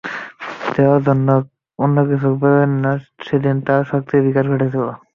দেয়ার জন্য অন্য কিছু পেলেন না, সেদিন তার শক্তির বিকাশ ঘটেছিল।